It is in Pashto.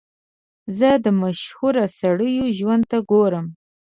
زه د مشهورو سړیو ژوند ته ګورم.